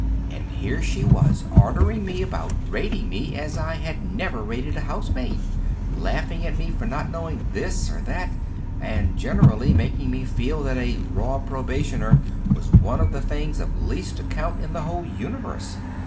And here she was ordering me about rating me as I had never rated a house maid laughing at me for not knowing this or that, and generally making me feel that a raw probationer was one of the things of least account in the whole universe.